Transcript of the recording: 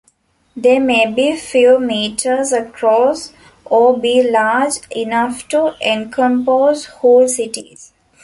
They may be few metres across or be large enough to encompass whole cities.